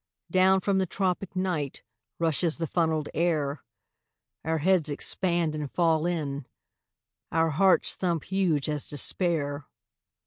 "Down from the tropic night Rushes the funnelled air; Our heads expand and fall in; Our hearts thump huge as despair.